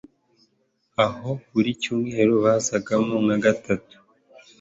aho buri Cyumweru bazagamo nka gatatu